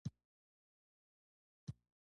د فابریکو لوګي ښار خرابوي.